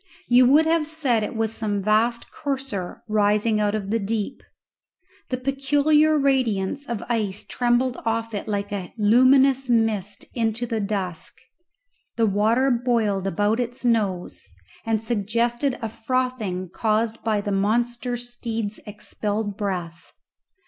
You would have said it was some vast courser rising out of the deep. The peculiar radiance of ice trembled off it like a luminous mist into the dusk. The water boiled about its nose, and suggested a frothing caused by the monster steed's expelled breath.